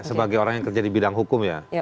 sebagai orang yang kerja di bidang hukum ya